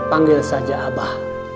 panggil saja abah